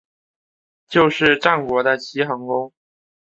就是战国的齐桓公。